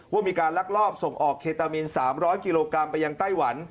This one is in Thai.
ว่ามีการลักลอบส่งออกเคตามีน๓๐๐กิโลกรัมไปยังไต้หวัน